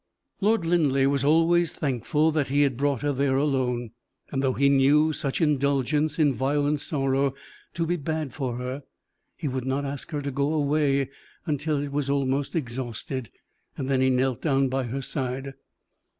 Lord Linleigh was always thankful that he had brought her there alone; and though he knew such indulgence in violent sorrow to be bad for her, he would not ask her to go away until it was almost exhausted; then he knelt down by her side.